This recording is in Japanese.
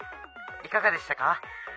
いかがでしたか？